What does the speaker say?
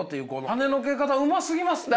はねのけ方うますぎますって。